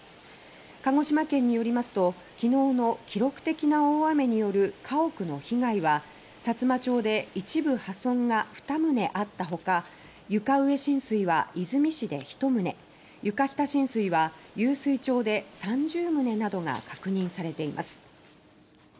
鹿児島県によりますときのうの記録的な大雨による家屋の被害はさつま町で一部破損が２棟あったほか床上浸水は出水市で１棟床下浸水は湧水町で３０棟などが確認されています。